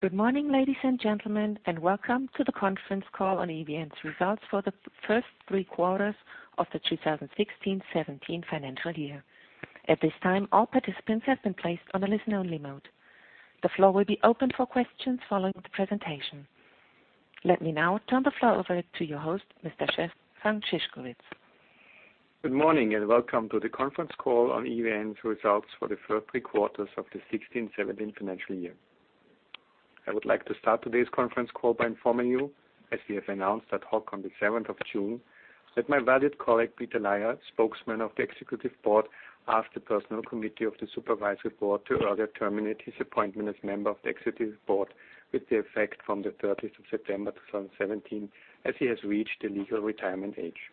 Good morning, ladies and gentlemen, and welcome to the conference call on EVN's results for the first three quarters of the 2016/2017 financial year. At this time, all participants have been placed on a listen-only mode. The floor will be open for questions following the presentation. Let me now turn the floor over to your host, Mr. Stefan Szyszkowitz. Good morning and welcome to the conference call on EVN's results for the first three quarters of the 2016/2017 financial year. I would like to start today's conference call by informing you, as we have announced ad hoc on the 7th of June, that my valued colleague, Peter Layr, Spokesman of the Executive Board, asked the personnel committee of the supervisory board to earlier terminate his appointment as member of the Executive Board with the effect from the 30th of September 2017, as he has reached the legal retirement age.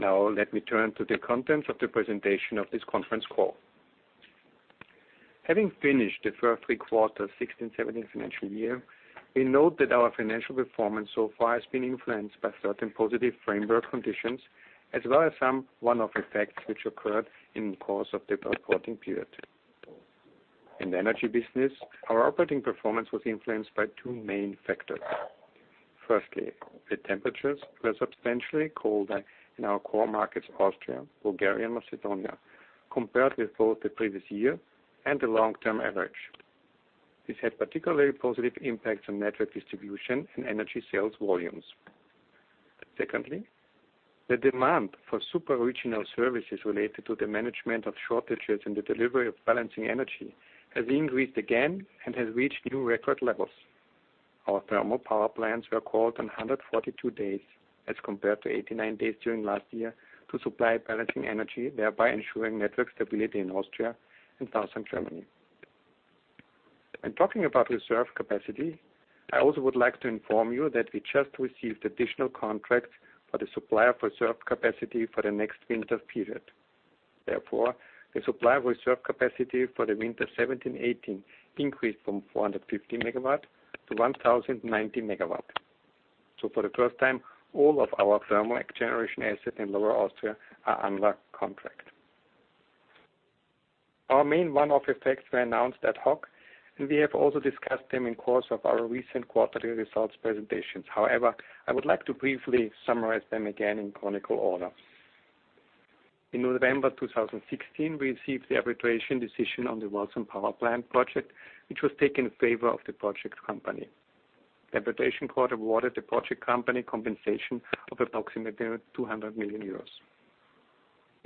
Let me turn to the contents of the presentation of this conference call. Having finished the first three quarters 2016/2017 financial year, we note that our financial performance so far has been influenced by certain positive framework conditions, as well as some one-off effects which occurred in the course of the reporting period. In the energy business, our operating performance was influenced by two main factors. Firstly, the temperatures were substantially colder in our core markets, Austria, Bulgaria, and Macedonia, compared with both the previous year and the long-term average. This had particularly positive impacts on network distribution and energy sales volumes. Secondly, the demand for super regional services related to the management of shortages in the delivery of balancing energy has increased again and has reached new record levels. Our thermal power plants were called on 142 days as compared to 89 days during last year to supply balancing energy, thereby ensuring network stability in Austria and Southern Germany. When talking about reserve capacity, I also would like to inform you that we just received additional contracts for the supply of reserve capacity for the next winter period. The supply reserve capacity for the winter 2017/2018 increased from 450 megawatts to 1,090 megawatts. For the first time, all of our thermal generation assets in Lower Austria are under contract. Our main one-off effects were announced ad hoc, and we have also discussed them in course of our recent quarterly results presentations. I would like to briefly summarize them again in chronological order. In November 2016, we received the arbitration decision on the Walsum Power Plant project, which was taken in favor of the project company. The arbitration court awarded the project company compensation of approximately 200 million euros. This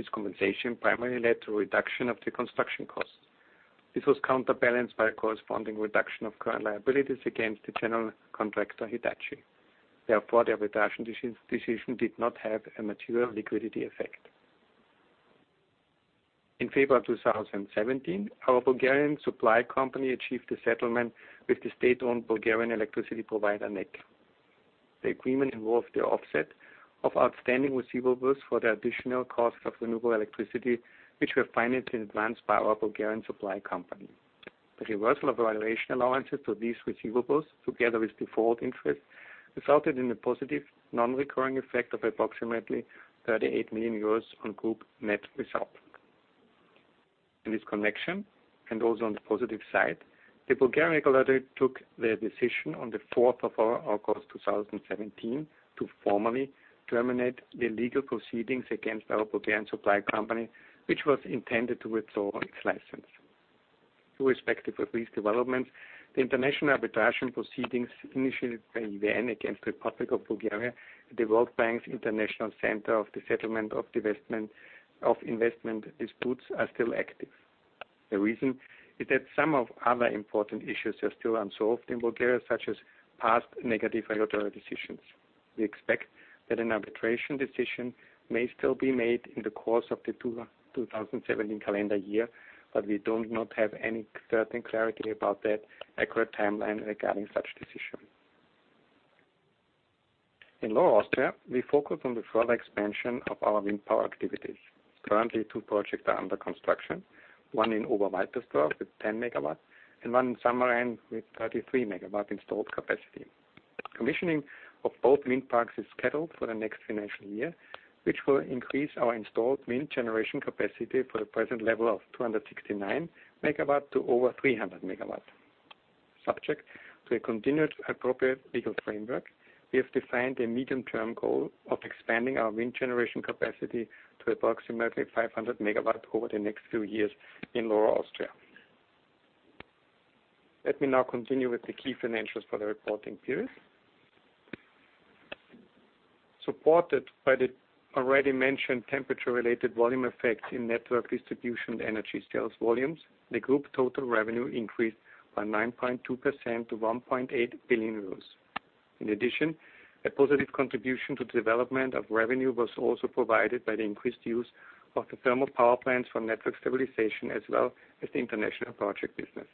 compensation primarily led to a reduction of the construction costs. This was counterbalanced by a corresponding reduction of current liabilities against the general contractor, Hitachi. The arbitration decision did not have a material liquidity effect. In February of 2017, our Bulgarian supply company achieved a settlement with the state-owned Bulgarian electricity provider, NEK. The agreement involved the offset of outstanding receivables for the additional cost of renewable electricity, which were financed in advance by our Bulgarian supply company. The reversal of valuation allowances to these receivables, together with default interest, resulted in a positive, non-recurring effect of approximately 38 million euros on group net result. In this connection, the Bulgarian regulator took the decision on the 4th of August 2017 to formally terminate the legal proceedings against our Bulgarian supply company, which was intended to withdraw its license. Irrespective of these developments, the international arbitration proceedings initiated by EVN against the Republic of Bulgaria at the World Bank's International Centre for Settlement of Investment Disputes are still active. The reason is that some of other important issues are still unsolved in Bulgaria, such as past negative regulatory decisions. We expect that an arbitration decision may still be made in the course of the 2017 calendar year, but we do not have any certain clarity about that accurate timeline regarding such decision. In Lower Austria, we focus on the further expansion of our wind power activities. Currently, two projects are under construction, one in Oberwaltersdorf with 10 MW and one in Semmering with 33 MW installed capacity. Commissioning of both wind parks is scheduled for the next financial year, which will increase our installed wind generation capacity from the present level of 269 MW to over 300 MW. Subject to a continued appropriate legal framework, we have defined a medium-term goal of expanding our wind generation capacity to approximately 500 MW over the next few years in Lower Austria. Let me now continue with the key financials for the reporting period. Supported by the already mentioned temperature-related volume effects in network distribution and energy sales volumes, the group total revenue increased by 9.2% to 1.8 billion euros. A positive contribution to development of revenue was also provided by the increased use of the thermal power plants for network stabilization, as well as the international project business.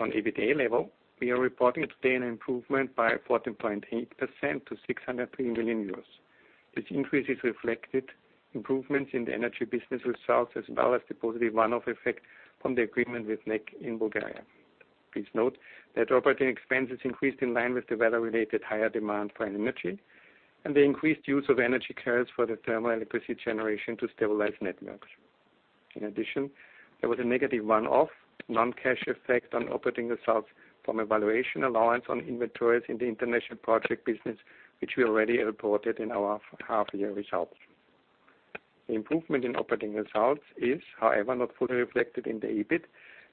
On EBITDA level, we are reporting today an improvement by 14.8% to 603 million euros. This increase is reflected improvements in the energy business results as well as the positive one-off effect from the agreement with NEK in Bulgaria. Please note that operating expenses increased in line with the weather-related higher demand for energy and the increased use of energy carriers for the thermal electricity generation to stabilize networks. There was a negative one-off non-cash effect on operating results from a valuation allowance on inventories in the international project business, which we already reported in our half-year results. The improvement in operating results is, however, not fully reflected in the EBIT.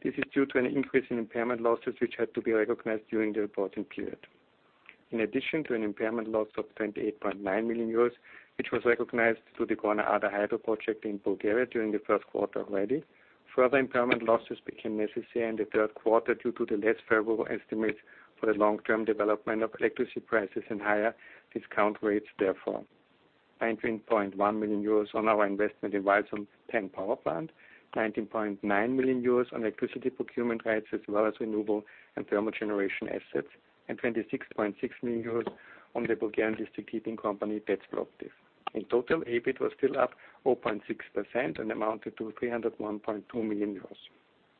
This is due to an increase in impairment losses, which had to be recognized during the reporting period. In addition to an impairment loss of 28.9 million euros, which was recognized through the Gorna Arda hydro project in Bulgaria during the first quarter already, further impairment losses became necessary in the third quarter due to the less favorable estimates for the long-term development of electricity prices and higher discount rates, therefore. 19.1 million euros on our investment in Walsum 10 power plant, 19.9 million euros on electricity procurement rights, as well as renewable and thermal generation assets, and 26.6 million euros on the Bulgarian district heating company, Toplofikacia. In total, EBIT was still up 0.6% and amounted to 301.2 million euros.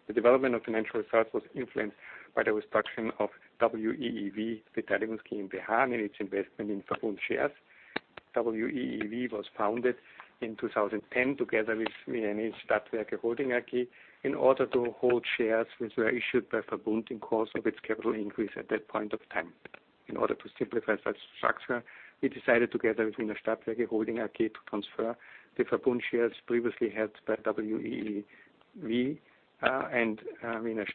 The development of financial results was influenced by the restructuring of WEEV Beteiligungsinvest GmbH and its investment in Verbund shares. WEEV was founded in 2010 together with Wiener Stadtwerke Holding AG in order to hold shares which were issued by Verbund in course of its capital increase at that point of time. In order to simplify such structure, we decided together with Wiener Stadtwerke Holding AG to transfer the Verbund shares previously held by WEEV and Wiener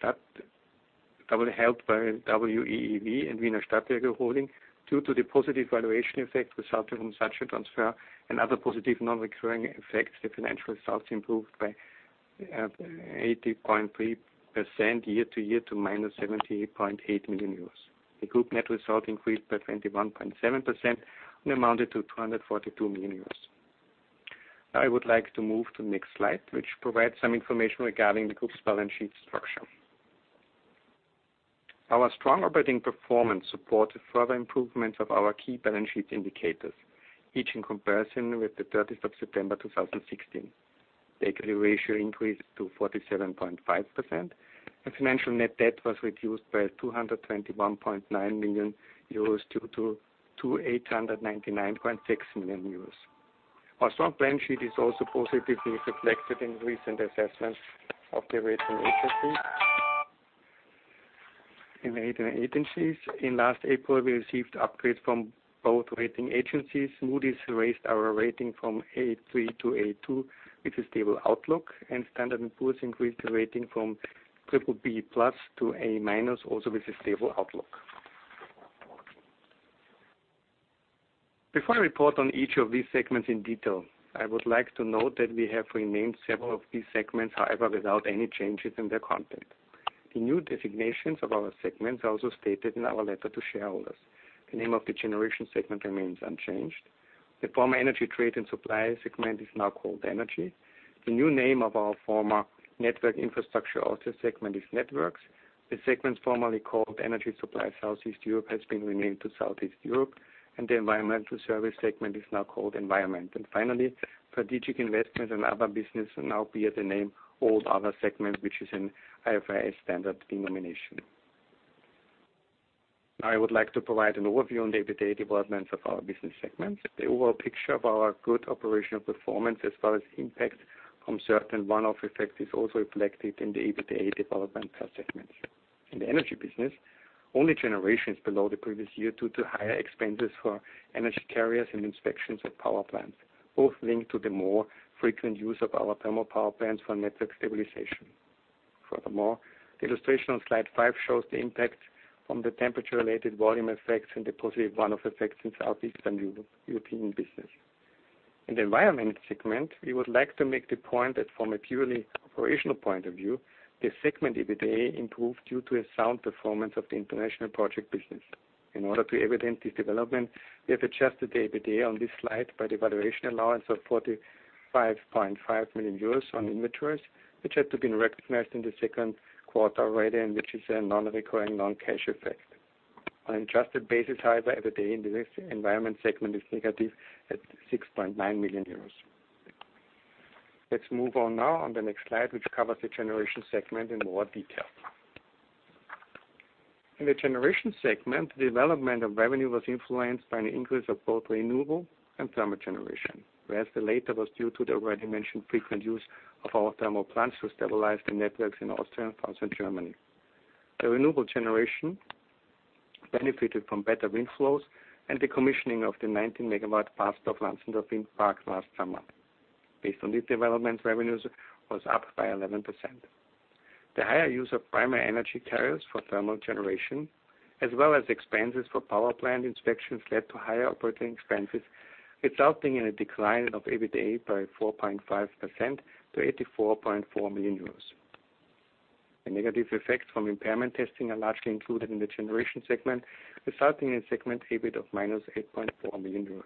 Stadtwerke Holding. Due to the positive valuation effect resulting from such a transfer and other positive non-recurring effects, the financial results improved by 80.3% year-over-year to minus 78.8 million euros. The group net result increased by 21.7% and amounted to 242 million euros. I would like to move to the next slide, which provides some information regarding the group's balance sheet structure. Our strong operating performance supported further improvements of our key balance sheet indicators, each in comparison with the 30th of September 2016. Equity ratio increased to 47.5%, and financial net debt was reduced by 221.9 million euros to 899.6 million euros. Our strong balance sheet is also positively reflected in recent assessments of the rating agencies. In last April, we received upgrades from both rating agencies. Moody's raised our rating from A3 to A2, which is stable outlook, and Standard & Poor's increased the rating from BBB+ to A- also with a stable outlook. Before I report on each of these segments in detail, I would like to note that we have renamed several of these segments, however, without any changes in their content. The new designations of our segments are also stated in our letter to shareholders. The name of the generation segment remains unchanged. The former energy trade and supply segment is now called Energy. The new name of our former network infrastructure Austria segment is Networks. The segment formerly called Energy Supply Southeast Europe has been renamed to Southeast Europe, and the Environmental Service segment is now called Environment. Finally, Strategic Investments and Other Business will now bear the name Hold Other Segment, which is an IFRS standard denomination. I would like to provide an overview on the EBITDA developments of our business segments. The overall picture of our good operational performance as well as impact from certain one-off effects is also reflected in the EBITDA development per segment. In the energy business, only generation is below the previous year due to higher expenses for energy carriers and inspections at power plants, both linked to the more frequent use of our thermal power plants for network stabilization. Furthermore, the illustration on slide five shows the impact from the temperature-related volume effects and the positive one-off effects in Southeast European business. In the environment segment, we would like to make the point that from a purely operational point of view, the segment EBITDA improved due to a sound performance of the international project business. In order to evident this development, we have adjusted the EBITDA on this slide by the valuation allowance of 45.5 million euros on inventories, which had to been recognized in the second quarter already and which is a non-recurring non-cash effect. On an adjusted basis, however, EBITDA in the environment segment is negative at 6.9 million euros. Let's move on now on the next slide, which covers the generation segment in more detail. In the generation segment, the development of revenue was influenced by an increase of both renewable and thermal generation, whereas the latter was due to the already mentioned frequent use of our thermal plants to stabilize the networks in Austria and Southern Germany. The renewable generation benefited from better wind flows and the commissioning of the 90-megawatt Pottendorf-Lanzenkirchen wind park last summer. Based on this development, revenue was up by 11%. The higher use of primary energy carriers for thermal generation, as well as expenses for power plant inspections led to higher operating expenses, resulting in a decline of EBITDA by 4.5% to 84.4 million euros. The negative effects from impairment testing are largely included in the generation segment, resulting in segment EBIT of minus 8.4 million euros.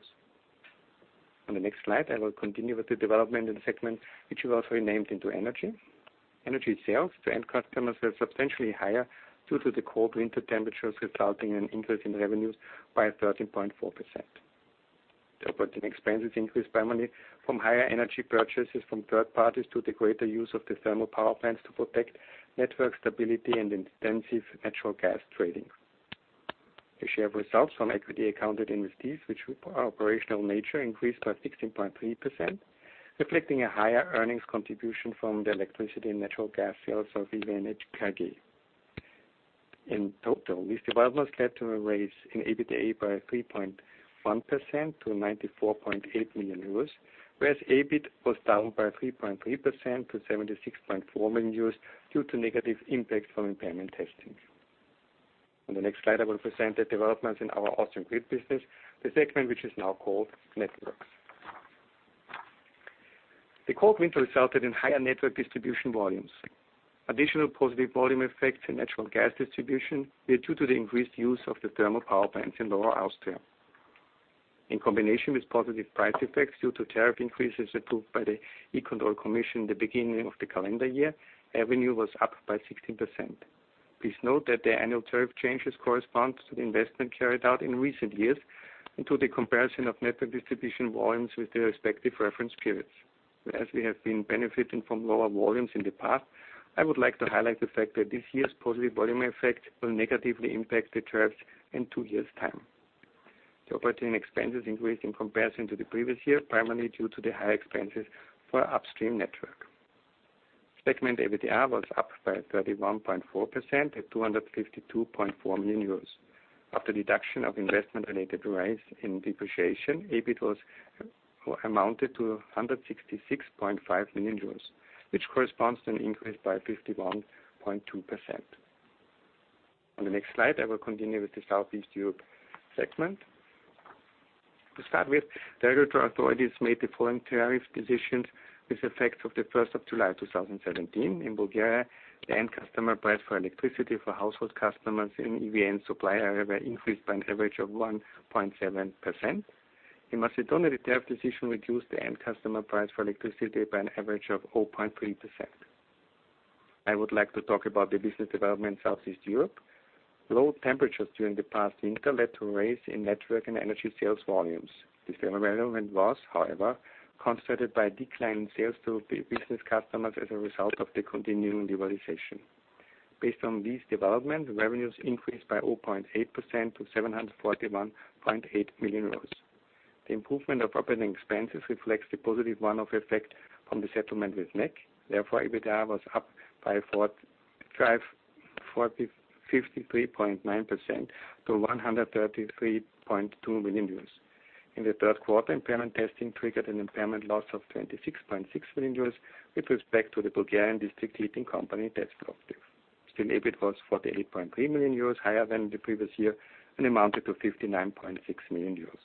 On the next slide, I will continue with the development in the segment, which we've also renamed into Energy. Energy sales to end customers were substantially higher due to the cold winter temperatures, resulting in an increase in revenue by 13.4%. The operating expenses increased primarily from higher energy purchases from third parties due to the greater use of the thermal power plants to protect network stability and intensive natural gas trading. The share of results from equity accounted investees, which are operational in nature, increased by 16.3%, reflecting a higher earnings contribution from the electricity and natural gas sales of EVN AG. In total, these developments led to a raise in EBITDA by 3.1% to 94.8 million euros, whereas EBIT was down by 3.3% to 76.4 million euros due to negative impact from impairment testing. On the next slide, I will present the developments in our Austrian grid business, the segment which is now called Networks. The cold winter resulted in higher network distribution volumes. Additional positive volume effects in natural gas distribution were due to the increased use of the thermal power plants in Lower Austria. In combination with positive price effects due to tariff increases approved by E-Control at the beginning of the calendar year, revenue was up by 16%. Please note that the annual tariff changes correspond to the investment carried out in recent years and to the comparison of network distribution volumes with the respective reference periods. Whereas we have been benefiting from lower volumes in the past, I would like to highlight the fact that this year's positive volume effect will negatively impact the tariffs in two years' time. The operating expenses increased in comparison to the previous year, primarily due to the high expenses for our upstream network. Segment EBITDA was up by 31.4% at 252.4 million euros. After deduction of investment-related rise in depreciation, EBIT amounted to 166.5 million euros, which corresponds to an increase by 51.2%. On the next slide, I will continue with the Southeast Europe segment. To start with, the regulatory authorities made the following tariff decisions with effect of the first of July 2017. In Bulgaria, the end customer price for electricity for household customers in EVN supply area were increased by an average of 1.7%. In Macedonia, the tariff decision reduced the end customer price for electricity by an average of 0.3%. I would like to talk about the business development in Southeast Europe. Low temperatures during the past winter led to a raise in network and energy sales volumes. This development was, however, comforted by a decline in sales to business customers as a result of the continuing liberalization. Based on this development, revenues increased by 0.8% to 741.8 million euros. The improvement of operating expenses reflects the positive one-off effect from the settlement with NEK. Therefore, EBITDA was up by 53.9% to 133.2 million euros. In the third quarter, impairment testing triggered an impairment loss of 26.6 million euros with respect to the Bulgarian district heating company, Toplofikacia. Still, EBIT was 48.3 million euros higher than the previous year and amounted to 59.6 million euros.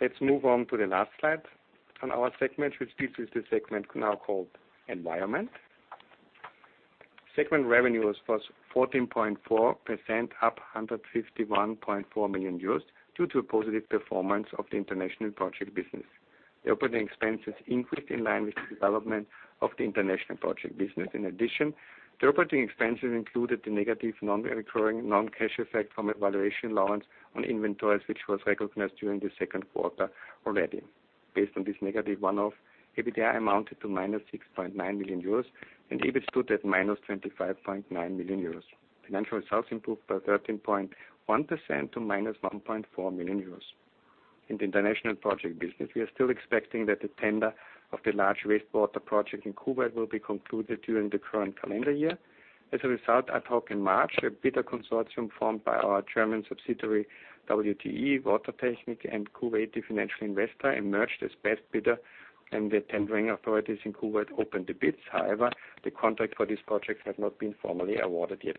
Let's move on to the last slide on our segment, which this is the segment now called Environment. Segment revenues was 14.4% up, 151.4 million euros due to a positive performance of the international project business. The operating expenses increased in line with the development of the international project business. In addition, the operating expenses included the negative, non-recurring, non-cash effect from a valuation allowance on inventories, which was recognized during the second quarter already. Based on this negative one-off, EBITDA amounted to minus 6.9 million euros, and EBIT stood at minus 25.9 million euros. Financial results improved by 13.1% to minus 1.4 million euros. In the international project business, we are still expecting that the tender of the large wastewater project in Kuwait will be concluded during the current calendar year. As a result, I talk in March, a bidder consortium formed by our German subsidiary, WTE Wassertechnik, and Kuwait, the financial investor, emerged as best bidder, and the tendering authorities in Kuwait opened the bids. However, the contract for this project had not been formally awarded yet.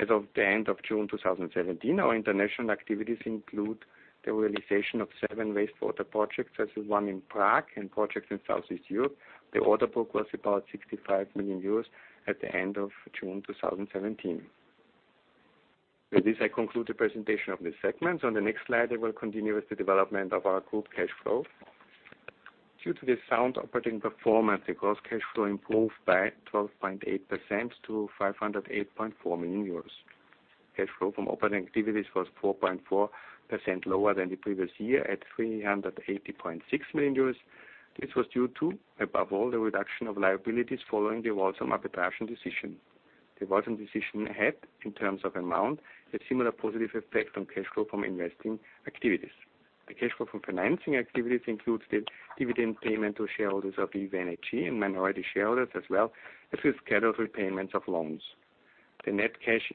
As of the end of June 2017, our international activities include the realization of seven wastewater projects as one in Prague and projects in Southeast Europe. The order book was about 65 million euros at the end of June 2017. With this, I conclude the presentation of the segments. On the next slide, I will continue with the development of our group cash flow. Due to the sound operating performance, the gross cash flow improved by 12.8% to 508.4 million euros. Cash flow from operating activities was 4.4% lower than the previous year at 380.6 million euros. This was due to, above all, the reduction of liabilities following the Walsum arbitration decision. The Walsum decision had, in terms of amount, a similar positive effect on cash flow from investing activities. The cash flow from financing activities includes the dividend payment to shareholders of EVN AG and minority shareholders as well, as with scheduled repayments of loans. The net change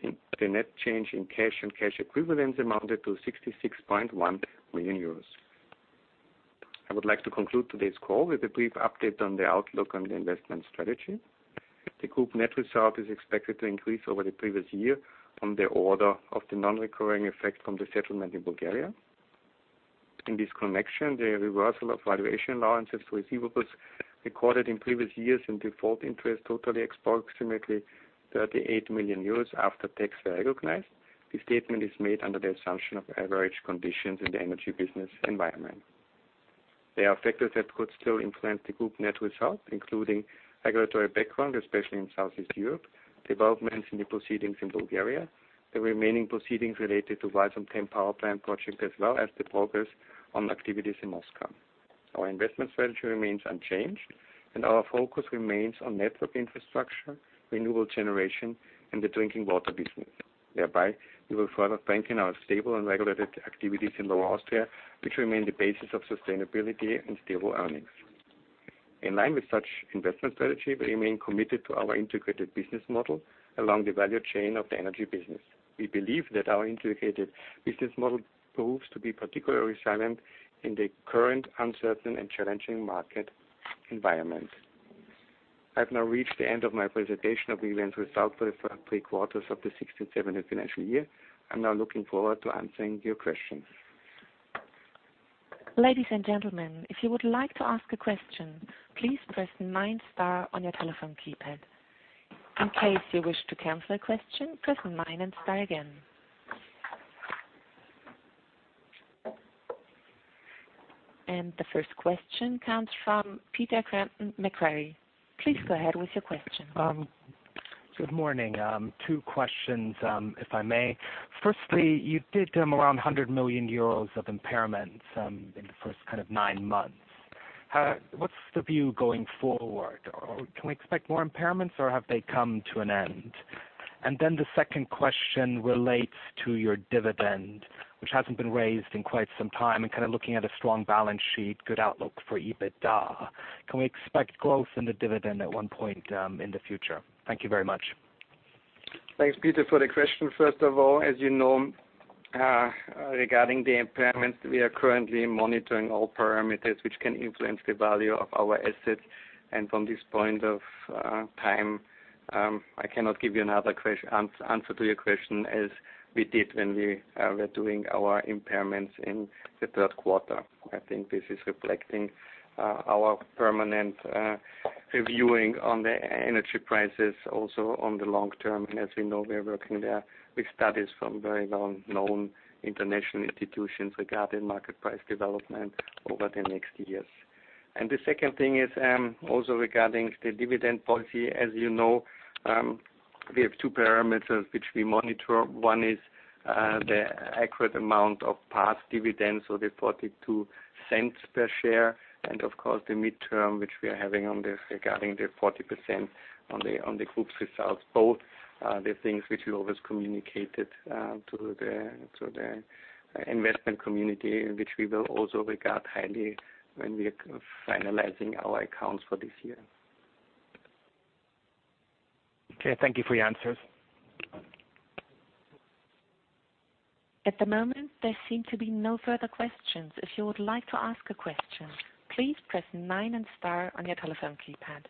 in cash and cash equivalents amounted to 66.1 million euros. I would like to conclude today's call with a brief update on the outlook and the investment strategy. The group net result is expected to increase over the previous year on the order of the non-recurring effect from the settlement in Bulgaria. In this connection, the reversal of valuation allowances to receivables recorded in previous years and default interest totally approximately 38 million euros after tax were recognized. This statement is made under the assumption of average conditions in the energy business environment. There are factors that could still influence the group net results, including regulatory background, especially in Southeast Europe, developments in the proceedings in Bulgaria, the remaining proceedings related to Walsum 10 Power Plant project, as well as the progress on activities in Moscow. Our investment strategy remains unchanged, and our focus remains on network infrastructure, renewable generation, and the drinking water business. Thereby, we will further strengthen our stable and regulated activities in Lower Austria, which remain the basis of sustainability and stable earnings. In line with such investment strategy, we remain committed to our integrated business model along the value chain of the energy business. We believe that our integrated business model proves to be particularly resilient in the current uncertain and challenging market environment. I have now reached the end of my presentation of EVN's results for the first three quarters of the 2016/2017 financial year. I am now looking forward to answering your questions. Ladies and gentlemen, if you would like to ask a question, please press nine star on your telephone keypad. In case you wish to cancel a question, press nine and star again. The first question comes from Peter Crampton, Macquarie. Please go ahead with your question. Good morning. Two questions, if I may. Firstly, you did around 100 million euros of impairments in the first nine months. What's the view going forward? Can we expect more impairments, or have they come to an end? The second question relates to your dividend, which hasn't been raised in quite some time, and looking at a strong balance sheet, good outlook for EBITDA. Can we expect growth in the dividend at one point in the future? Thank you very much. Thanks, Peter, for the question. First of all, as you know, regarding the impairments, we are currently monitoring all parameters which can influence the value of our assets. From this point of time, I cannot give you another answer to your question as we did when we were doing our impairments in the third quarter. I think this is reflecting our permanent reviewing on the energy prices also on the long term, and as we know, we are working there with studies from very well-known international institutions regarding market price development over the next years. The second thing is also regarding the dividend policy. As you know, we have two parameters which we monitor. One is the accurate amount of past dividends, so the 0.42 per share, and of course the midterm, which we are having on this regarding the 40% on the group's results. Both are the things which we always communicated to the investment community, and which we will also regard highly when we are finalizing our accounts for this year. Okay. Thank you for your answers. At the moment, there seem to be no further questions. If you would like to ask a question, please press 9 and * on your telephone keypad.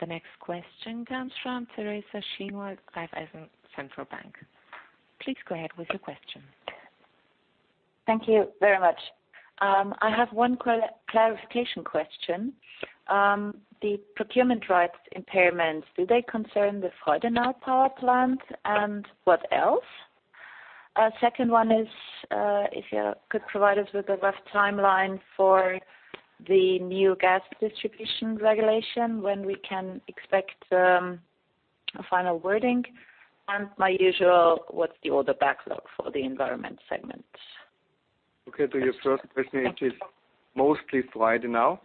The next question comes from Teresa Schinwald, Erste Group Bank. Please go ahead with your question. Thank you very much. I have one clarification question. The procurement rights impairments, do they concern the Freudenau power plant and what else? Second one is, if you could provide us with a rough timeline for the new gas distribution regulation, when we can expect a final wording? My usual, what's the order backlog for the environment segment? Okay. To your first question, it is mostly Freudenau.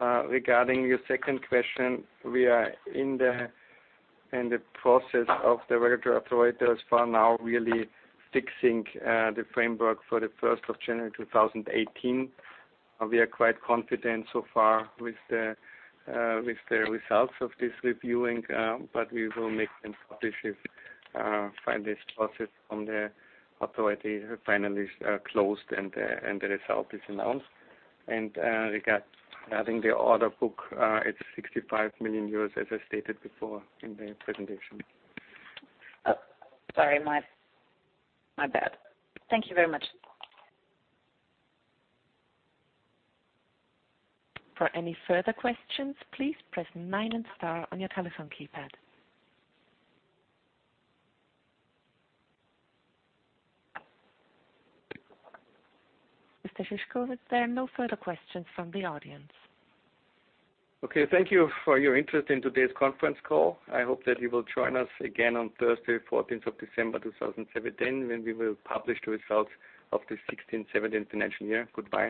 Regarding your second question, we are in the process of the regulatory operators for now, really fixing the framework for the 1st of January 2018. We are quite confident so far with the results of this reviewing, but we will make them officially finalize this process on the authority finally closed and the result is announced. Regarding the order book, it's 65 million euros, as I stated before in the presentation. Oh, sorry, my bad. Thank you very much. For any further questions, please press nine and star on your telephone keypad. Mr. Szyszkowitz, there are no further questions from the audience. Okay. Thank you for your interest in today's conference call. I hope that you will join us again on Thursday, 14th of December 2017, when we will publish the results of the '16/17 financial year. Goodbye.